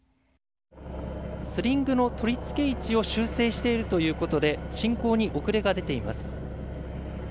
スリングの取り付け位置を修正しているということで進行に遅れが出ています。